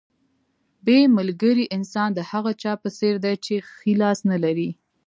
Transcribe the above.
بې ملګري انسان د هغه چا په څېر دی چې ښی لاس نه لري.